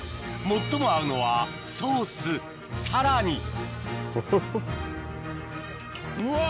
最も合うのはソースさらにうわ！